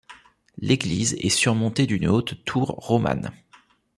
L'église est surmontée d'une haute tour romane.